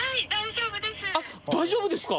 大丈夫ですか？